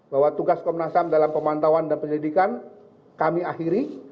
bahwa tugas komnas ham dalam pemantauan dan penyelidikan kami akhiri